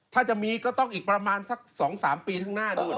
ถ้าจะมีก็ต้องอีกประมาณสัก๒๓ปีข้างหน้าด้วย